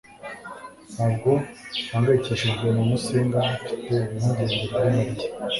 Ntabwo mpangayikishijwe na Musinga Mfite impungenge kuri Mariya